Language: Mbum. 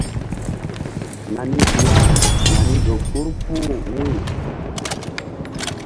Nani su ya nani ƴo gbur puh wu̧y.